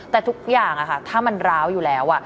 แต่ทุกอย่างถ้ามันร้าวอยู่แล้ว